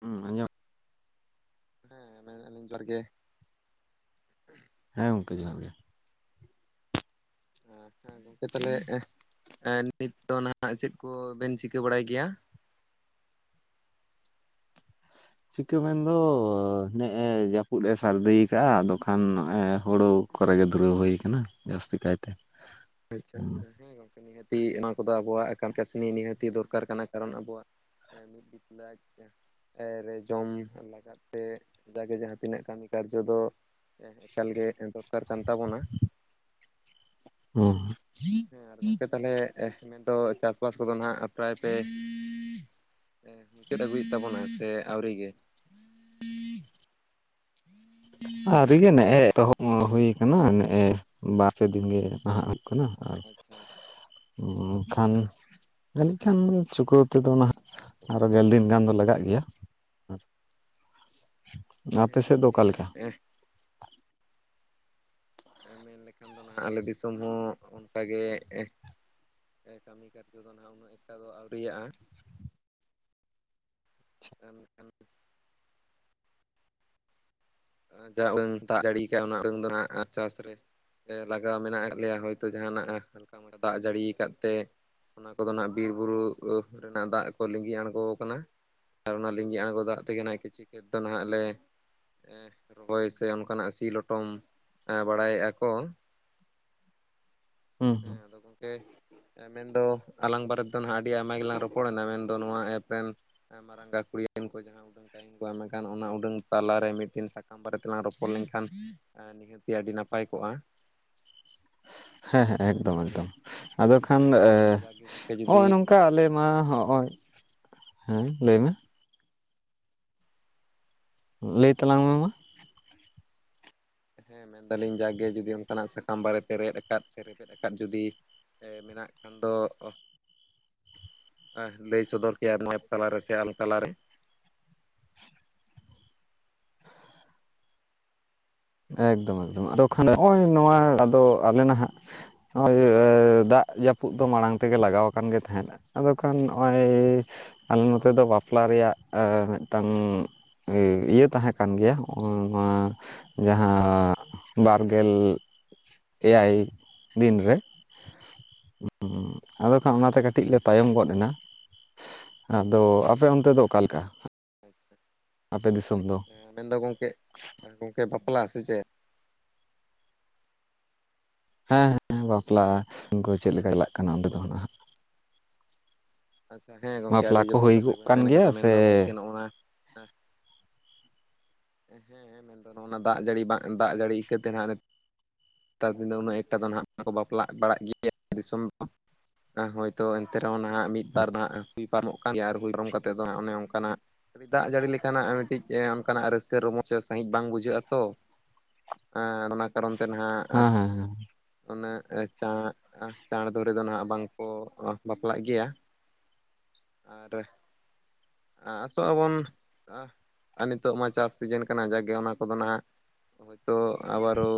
ᱦᱩᱸ ᱟᱡᱚᱢ ᱦᱮᱸ ᱢᱮᱱᱮᱫᱼᱟ ᱞᱤᱧ ᱡᱚᱦᱟᱨ ᱜᱮ ᱦᱮᱸ ᱜᱚᱝᱠᱮ ᱡᱚᱦᱟᱨ ᱜᱮ ᱦᱮᱸ ᱜᱚᱝᱠᱮ ᱛᱟᱦᱞᱮ ᱱᱤᱛ ᱫᱚ ᱱᱟᱦᱟᱜ ᱪᱮᱫ ᱠᱚ ᱵᱮᱱ ᱪᱤᱠᱟᱹ ᱵᱟᱲᱟᱭ ᱜᱮᱭᱟ ᱪᱤᱠᱟᱹ ᱢᱮᱱᱫᱚ ᱱᱮᱜᱼᱮ ᱡᱟᱹᱯᱩᱫᱼᱮ ᱥᱟᱨᱫᱤ ᱟᱠᱟᱜᱼᱟ ᱟᱫᱚ ᱠᱷᱟᱱ ᱱᱚᱜᱼᱚᱭ ᱦᱳᱲᱳ ᱠᱚᱨᱮ ᱜᱮ ᱫᱷᱩᱨᱟᱹᱣ ᱦᱩᱭ ᱠᱟᱱᱟ ᱡᱟᱹᱥᱛᱤ ᱠᱟᱭᱛᱮ ᱟᱪᱪᱷᱟ ᱦᱩᱸ ᱟᱪᱪᱷᱟ ᱦᱮᱸ ᱜᱚᱝ ᱱᱤᱦᱟᱹᱛᱤ ᱚᱱᱟ ᱠᱚᱫᱚ ᱟᱵᱚᱣᱟᱜᱟᱱ ᱠᱟᱹᱢᱤ ᱠᱟᱹᱥᱱᱤ ᱱᱤᱦᱟᱹᱛᱤ ᱫᱚᱨᱠᱟᱨ ᱠᱟᱱᱟ ᱠᱟᱨᱚᱱ ᱟᱵᱚᱣᱟᱜ, ᱮᱸ ᱢᱤᱫ ᱵᱤᱜᱷᱟᱹ ᱠᱩᱞᱟᱹᱜ-ᱟ ᱟᱪᱪᱷᱟ, ᱮᱨᱮ ᱡᱚᱢ ᱧᱩ ᱦᱚᱸ ᱪᱮᱫᱟᱜ ᱥᱮ ᱡᱟᱜᱮ ᱡᱟᱦᱟᱸ ᱛᱤᱱᱟᱹᱜ ᱠᱟᱹᱢᱤ ᱠᱟᱨᱡᱚ ᱫᱚ ᱮᱠᱟᱞᱜᱮ ᱫᱚᱨᱠᱟᱨ ᱠᱟᱱ ᱛᱟᱵᱚᱱᱟ ᱦᱩᱸ ᱦᱮᱸ ᱟᱨ ᱜᱚᱝᱠᱮ ᱛᱟᱦᱞᱮ ᱢᱮᱱᱫᱚ ᱪᱟᱥᱵᱟᱥ ᱠᱚᱫᱚ ᱦᱟᱸᱜ ᱯᱨᱟᱭ ᱯᱮ ᱮᱸᱫ, ᱢᱩᱪᱟᱹᱫ ᱟᱹᱜᱩᱭᱮᱫ ᱛᱟᱵᱚᱱᱟ ᱥᱮ ᱟᱹᱣᱨᱤ ᱜᱮ ᱟᱹᱣᱨᱤ ᱜᱮ ᱱᱮᱜᱼᱮ ᱮᱛᱚᱦᱚᱵ ᱦᱩᱭ ᱠᱟᱱᱟ ᱱᱮᱜᱼᱮ ᱵᱟᱨᱯᱮ ᱫᱤᱱᱜᱮ ᱱᱟᱦᱟᱜ ᱦᱩᱭᱩᱜ ᱠᱟᱱᱟ ᱟᱨ ᱟᱪᱪᱷᱟ ᱟᱪᱪᱷᱟ ᱦᱩᱸ ᱢᱮᱱᱠᱷᱟᱱ ᱡᱟᱹᱱᱤᱡ ᱠᱷᱟᱱ ᱪᱩᱠᱟᱹᱣ ᱛᱮᱫᱚ ᱱᱟᱦᱟᱜ ᱟᱨᱚ ᱜᱮᱞ ᱫᱤᱱ ᱜᱟᱱ ᱫᱚ ᱞᱟᱜᱟᱜ ᱜᱮᱭᱟ ᱻ ᱦᱮᱸ ᱜᱚᱝᱠᱮ ᱢᱮᱱ ᱞᱮᱠᱷᱟᱱ ᱫᱚ ᱱᱟᱦᱟᱜ ᱟᱞᱮ ᱫᱤᱥᱚᱢ ᱦᱚᱸ ᱚᱱᱠᱟᱜᱮ, ᱮᱸ ᱠᱟᱹᱢᱤ ᱠᱟᱹᱢᱤ ᱠᱟᱨᱡᱚ ᱫᱚ ᱱᱟᱦᱟᱜ ᱩᱱᱟᱹᱜ ᱮᱠᱴᱟ ᱫᱚ ᱟᱹᱣᱨᱤᱭᱟᱜᱼᱟ ᱠᱟᱱ ᱠᱟᱱ ᱡᱟ ᱩᱰᱟᱹᱝ ᱫᱟᱜ ᱡᱟᱹᱲᱤᱭ ᱠᱟᱜ-ᱟ ᱚᱱᱟ ᱩᱰᱟᱝ ᱫᱚ ᱱᱟᱜ ᱪᱟᱥ ᱨᱮ ᱞᱟᱜᱟᱣ ᱢᱮᱱᱟᱜ ᱟᱠᱟᱫ ᱞᱮᱭᱟ ᱦᱳᱭᱛᱳ ᱡᱟᱦᱟᱱᱟᱜ ᱦᱟᱞᱠᱟ-ᱢᱟᱞᱠᱟ ᱫᱟᱜ ᱡᱟᱹᱲᱤᱭᱟ ᱟᱠᱟᱫ ᱛᱮ ᱚᱱᱟ ᱠᱚᱫᱚ ᱱᱟᱜ ᱵᱤᱨᱼᱵᱩᱨᱩ ᱨᱮᱱᱟᱜ ᱫᱟᱜ ᱠᱚ ᱞᱤᱸᱜᱤ ᱟᱬᱜᱚ ᱠᱟᱱᱟ ᱟᱨ ᱚᱱᱟ ᱞᱤᱸᱜᱤ ᱟᱬᱜᱚ ᱫᱟᱜ ᱛᱮᱜᱮ ᱦᱟᱜ ᱠᱤᱪᱷᱩ ᱠᱷᱮᱛ ᱫᱚ ᱱᱟᱦᱟᱜ ᱞᱮ ᱮᱸ, ᱨᱚᱦᱚᱭ ᱥᱮ ᱚᱱᱠᱟᱱᱟᱜ ᱥᱤ ᱞᱚᱴᱚᱢ ᱮᱸ ᱵᱟᱲᱟᱭᱮᱜᱼᱟ ᱠᱚ ᱻ ᱦᱮᱸ ᱟᱫᱚ ᱜᱚᱢ ᱢᱮᱱᱫᱚ, ᱢᱮᱱᱫᱚ ᱟᱞᱟᱝ ᱵᱟᱨᱮᱛ ᱫᱚ ᱱᱟᱦᱟᱜ ᱟᱹᱰᱤ ᱟᱭᱢᱟ ᱜᱮᱞᱟᱝ ᱨᱚᱯᱚᱲ ᱮᱱᱟ ᱢᱮᱱᱫᱚ ᱱᱚᱣᱟ ᱮᱯ ᱨᱮᱱ ᱢᱟᱨᱟᱝ ᱜᱟᱹᱠᱩᱲᱤᱭᱮᱱ ᱠᱚ ᱡᱟᱦᱟᱸ ᱩᱰᱟᱹᱝ ᱴᱟᱭᱤᱢ ᱠᱚ ᱮᱢᱟᱠᱟᱱ ᱚᱱᱟ ᱩᱰᱟᱹᱝ ᱛᱟᱞᱟᱨᱮ ᱢᱤᱫ ᱴᱤᱱ ᱥᱟᱠᱟᱢ ᱵᱟᱨᱮ ᱛᱮᱞᱟᱝ ᱨᱚᱯᱚᱲ ᱞᱮᱱᱠᱷᱟᱱ ᱱᱤᱦᱟᱹᱛᱤ ᱟᱹᱰᱤ ᱱᱟᱯᱟᱭ ᱠᱚᱜᱼᱟ ᱦᱮᱸ ᱦᱮᱸ ᱮᱠᱫᱚᱢ ᱟᱨ ᱮᱠᱫᱚᱢ ᱟᱫᱚ ᱠᱷᱟᱱ ᱟᱫᱚ ᱦᱮᱸ ᱡᱟᱜᱮ ᱜᱚᱢᱠᱮ ᱱᱚᱜᱼᱚᱭ ᱡᱩᱫᱤ ᱱᱚᱝᱠᱟ ᱚᱝᱠᱟ ᱟᱞᱮ ᱢᱟ ᱦᱚᱜᱼᱚᱭ, ᱦᱮᱸ ᱞᱟᱹᱭᱢᱮ ᱞᱟᱹᱭ ᱛᱟᱞᱟᱝ ᱢᱮ ᱢᱟ ᱦᱮᱸ ᱢᱮᱱᱫᱟᱞᱤᱧ ᱡᱟᱜᱮ ᱡᱩᱫᱤ ᱚᱱᱠᱟᱱᱟᱜ ᱥᱟᱠᱟᱢ ᱵᱟᱨᱮᱛᱮ ᱨᱮᱮᱫ ᱟᱠᱟᱫ ᱥᱮ ᱨᱮᱵᱮᱫ ᱟᱠᱟᱫ ᱡᱩᱫᱤ ᱢᱮᱱᱟᱜ ᱠᱷᱟᱱ ᱫᱚ ᱞᱟᱹᱭ ᱥᱚᱫᱚᱨ ᱠᱮᱭᱟ ᱱᱚᱣᱟ ᱛᱟᱞᱟ ᱨᱮ ᱥᱮ ᱟᱞ ᱛᱟᱞᱟ ᱨᱮ ᱮᱠᱫᱚᱢ ᱮᱠᱫᱚᱢ ᱟᱫᱚ ᱠᱷᱟᱱ ᱱᱚᱜᱼᱚᱭ ᱱᱚᱣᱟ ᱟᱫᱚ ᱟᱞᱮ ᱱᱟᱦᱟᱜ ᱱᱚᱜᱼᱚᱭ ᱫᱟᱜ ᱡᱟᱹᱯᱩᱫ ᱫᱚ ᱢᱟᱲᱟᱝ ᱛᱮᱜᱮ ᱞᱟᱜᱟᱣ ᱟᱠᱟᱱ ᱜᱮ ᱛᱟᱦᱮᱸᱱᱟ ᱟᱫᱚ ᱠᱷᱟᱱ ᱱᱚᱜᱼᱚᱭ ᱟᱞᱮ ᱱᱚᱛᱮ ᱦᱳᱭ ᱫᱚ ᱵᱟᱯᱞᱟ ᱵᱟᱯᱞᱟ ᱨᱮᱭᱟᱜ ᱢᱤᱫᱴᱟᱝ ᱤᱭᱟᱹ ᱛᱟᱦᱮᱸ ᱠᱟᱱ ᱜᱮᱭᱟ ᱱᱚᱣᱟ ᱡᱟᱦᱟᱸ ᱵᱟᱨᱜᱮᱞ ᱮᱭᱟᱭ ᱫᱤᱱ ᱨᱮ ᱟᱫᱚ ᱠᱷᱟᱱ ᱦᱩᱸ ᱚᱱᱟᱛᱮ ᱠᱟᱹᱴᱤᱡ ᱠᱟᱹᱴᱤᱡ ᱞᱮ ᱛᱟᱭᱚᱢ ᱜᱚᱫ ᱮᱱᱟ᱾ ᱟᱫᱚ ᱟᱯᱮ ᱚᱱᱛᱮ ᱟᱪᱪᱷᱟ ᱫᱚ ᱚᱠᱟᱞᱮᱠᱟ? [unintelligible] ᱟᱯᱮ ᱫᱤᱥᱚᱢ ᱫᱚ ᱢᱮᱱᱫᱚ ᱜᱚᱝᱠᱮ ᱜᱚᱝᱠᱮ ᱵᱟᱯᱞᱟ ᱥᱮ ᱪᱮᱫ? ᱦᱮᱸ ᱦᱮᱸ ᱵᱟᱯᱞᱟ ᱠᱚ ᱪᱮᱫ ᱞᱮᱠᱟ ᱪᱟᱞᱟᱜ ᱠᱟᱱᱟ ᱚᱸᱱᱛᱮ ᱠᱚᱦᱚᱸ? ᱟᱪᱪᱷᱟ ᱦᱮᱸ ᱜᱚᱢᱠᱮ ᱵᱟᱯᱞᱟ ᱟᱹᱰᱤ ᱠᱚ ᱡᱚᱛᱷᱟᱛ ᱠᱟᱛᱷᱟ ᱦᱩᱭᱩᱜ ᱜᱮᱵᱮᱱ ᱠᱟᱱ ᱢᱮᱱ ᱠᱟᱫᱟ ᱜᱮᱭᱟ ᱥᱮ ᱢᱮᱱᱫᱚ ᱜᱚᱝᱠᱮ ᱱᱚᱜᱼᱚᱭ ᱱᱟ ᱦᱮᱸ ᱦᱮᱸ ᱢᱮᱱᱫᱚ ᱱᱚᱜᱼᱚᱭ ᱱᱟᱜ ᱫᱟᱜ ᱡᱟᱹᱲᱤ ᱵᱟᱝ ᱫᱟᱜ ᱡᱟᱹᱲᱤ ᱠᱟᱹᱛᱮ ᱱᱟᱜ ᱱᱮᱛᱟᱨ ᱫᱤᱱ ᱫᱚ ᱩᱱᱟᱹᱜ ᱮᱠᱴᱟ ᱫᱚ ᱱᱟᱦᱟᱜ ᱵᱟᱠᱚ ᱵᱟᱯᱞᱟᱜ ᱵᱟᱲᱟᱜ ᱜᱮᱭᱟ᱾ ᱫᱤᱥᱚᱢ ᱫᱚ ᱦᱳᱭᱛᱚ ᱮᱱᱛᱮ ᱨᱮᱦᱚᱸ ᱱᱟᱦᱟᱜ ᱢᱤᱫ ᱵᱟᱨ ᱟᱪᱪᱷᱟ ᱦᱟᱸᱜ ᱦᱩᱭ ᱯᱟᱨᱚᱢᱚᱜ ᱠᱟᱱ ᱜᱮᱭᱟ ᱟᱨ ᱦᱩᱭ ᱯᱟᱨᱚᱢ ᱠᱟᱛᱮᱫ ᱫᱚᱜ ᱚᱱᱮ ᱚᱱᱠᱟᱱᱟᱜ ᱫᱟᱜ ᱡᱟᱹᱲᱤ ᱞᱮᱠᱟᱱᱟᱜ ᱢᱤᱫᱴᱤᱡ ᱚᱱᱠᱟᱱᱟᱜ ᱨᱟᱹᱥᱠᱟᱹ ᱛᱮ ᱨᱚᱢᱚᱡᱽ ᱮ ᱥᱟᱺᱦᱤᱡ ᱵᱟᱝ ᱵᱩᱡᱷᱟᱹᱜᱼᱟ ᱛᱚ᱾ ᱟᱨ ᱚᱱᱟ ᱠᱟᱨᱚᱱ ᱛᱮ ᱱᱟᱦᱟᱜ ᱦᱮᱸ ᱦᱮᱸ ᱩᱱᱟᱹᱜ ᱪᱟᱬ ᱪᱟᱬ ᱫᱷᱚᱨᱮ ᱫᱚ ᱱᱟᱦᱟᱜ ᱵᱟᱝᱠᱚ ᱵᱟᱯᱞᱟᱜ ᱜᱮᱭᱟ᱾ ᱟᱨ ᱟᱥᱚᱜ ᱟᱵᱚᱱ ᱟᱨ ᱱᱤᱛᱚᱜ ᱢᱟ ᱪᱟᱥ ᱥᱤᱡᱮᱱ ᱠᱟᱱᱟ ᱡᱟᱜᱮ ᱚᱱᱟ ᱠᱚᱫᱚ ᱱᱟᱦᱟᱜ ᱦᱳᱭᱛᱳ ᱟᱵᱟᱨᱚ